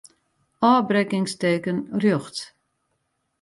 Ofbrekkingsteken rjochts.